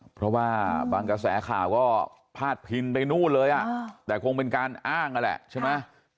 เพราะว่าบางกระแสข่าวก็พาดพิงไปนู่นเลยแต่คงเป็นการอ้างนั่นแหละใช่ไหม